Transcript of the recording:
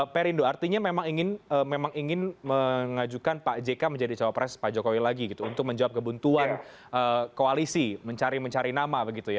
perindo artinya memang ingin mengajukan pak jk menjadi cawapres pak jokowi lagi gitu untuk menjawab kebuntuan koalisi mencari mencari nama begitu ya